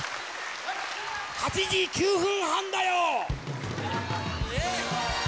８時９分半だョ！